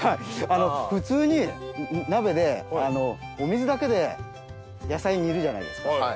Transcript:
普通に鍋でお水だけで野菜煮るじゃないですか。